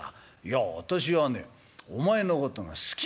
いや私はねお前のことが好きなんだから。